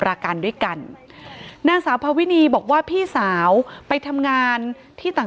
รากันด้วยกันนางสาวพาวินีบอกว่าพี่สาวไปทำงานที่ต่าง